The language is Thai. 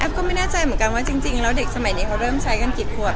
ก็ไม่แน่ใจเหมือนกันว่าจริงแล้วเด็กสมัยนี้เขาเริ่มใช้กันกี่ขวบ